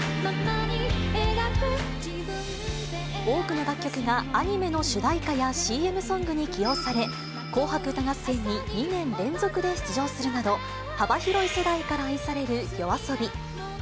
多くの楽曲がアニメの主題歌やＣＭソングに起用され、紅白歌合戦に２年連続で出場するなど、幅広い世代から愛されるＹＯＡＳＯＢＩ。